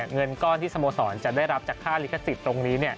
เงินก้อนที่สโมสรจะได้รับจากค่าลิขสิทธิ์ตรงนี้